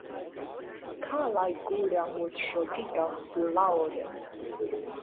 Kā lai guļam uz šo gigantu lauriem?